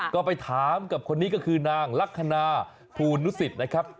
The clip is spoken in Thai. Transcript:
ก็ไปถามกับคนนี้ก็คือนางลักษณะภูนุสิตนะครับ